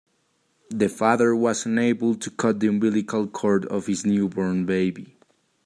The father was unable to cut the umbilical cord of his newborn baby.